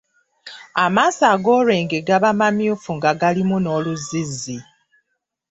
Amaaso ag'olwenge gaba mamyufu nga galimu n’oluzzizzi.